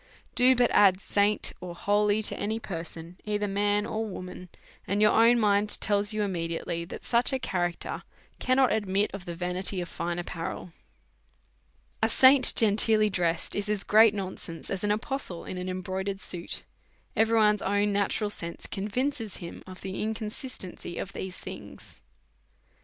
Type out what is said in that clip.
Do but add saint or holy to any person, either man or wo man, and your own mind tells you immediately that such a character cannot admit of the vanity of fine ap parel. A saint genteelly dressed is as great nonsense as an apostle in an embroidered suit ; every one's own natural sense convinces him of the inconsistency of these things.